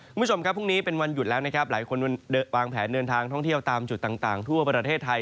คุณผู้ชมครับพรุ่งนี้เป็นวันหยุดแล้วนะครับหลายคนวางแผนเดินทางท่องเที่ยวตามจุดต่างทั่วประเทศไทย